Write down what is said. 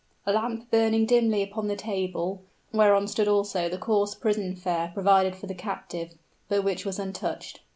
A lamp burned dimly upon the table, whereon stood also the coarse prison fare provided for the captive, but which was untouched.